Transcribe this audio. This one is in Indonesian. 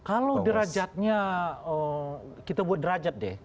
kalau nerajatnya kita buat nerajat deh